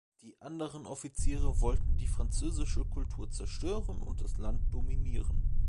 Die anderen Offiziere wollen die französische Kultur zerstören und das Land dominieren.